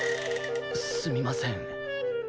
すみません。